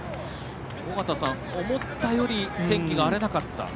思ったより、天気が荒れなかった。